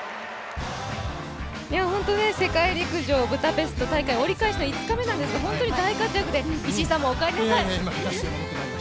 本当に世界陸上ブダペスト大会折り返しの５日目なんですけれども本当に大活躍で石井さんもお帰りなさい。